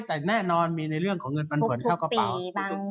แต่แน่นอนมีในเรื่องของเงินปันผลเข้ากระเป๋า